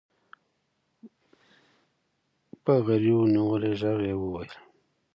په غريو نيولي ږغ يې وويل.